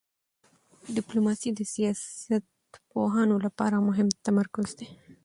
ډیپلوماسي د سیاست پوهانو لپاره مهم تمرکز دی.